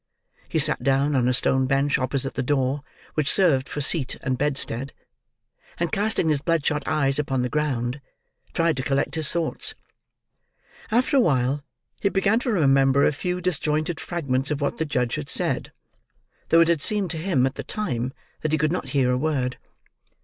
He sat down on a stone bench opposite the door, which served for seat and bedstead; and casting his blood shot eyes upon the ground, tried to collect his thoughts. After awhile, he began to remember a few disjointed fragments of what the judge had said: though it had seemed to him, at the time, that he could not hear a word.